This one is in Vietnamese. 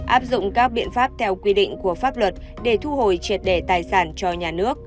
áp dụng các biện pháp theo quy định của pháp luật để thu hồi triệt đề tài sản cho nhà nước